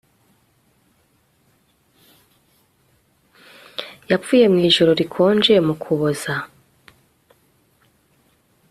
Yapfuye mu ijoro rikonje mu Kuboza